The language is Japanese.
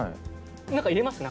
何か入れました？